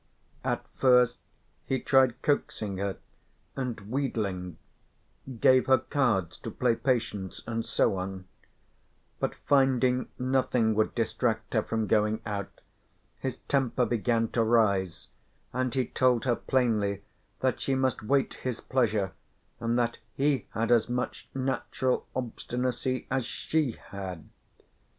At first he tried coaxing her and wheedling, gave her cards to play patience and so on, but finding nothing would distract her from going out, his temper began to rise, and he told her plainly that she must wait his pleasure and that he had as much natural obstinacy as she had.